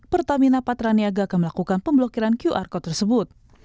pertamina patraniaga akan melakukan pemblokiran qr code tersebut